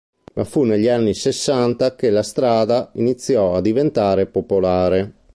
Ma fu negli anni sessanta che la strada iniziò a diventare popolare.